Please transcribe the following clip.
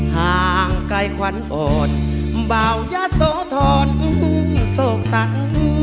ห่างไกลขวัญอ่อนบ่าอย่าโสธรณ์สุกสรรค์